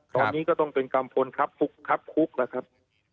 ตอนนี้ก็ต้องเป็นกัมพลครับคุกแล้วครับ